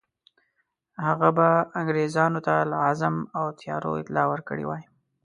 هغه به انګرېزانو ته له عزم او تیاریو اطلاع ورکړې وای.